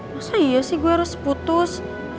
masa iya sih gue harus putus